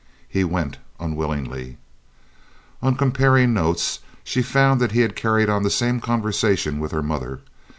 He went unwillingly. On comparing notes, she found that he had carried on the same conversation with her mother.